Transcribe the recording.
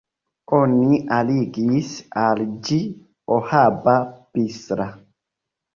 Oni aligis al ĝi Ohaba-Bistra.